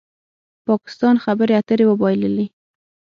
پاکستان خبرې اترې وبایللې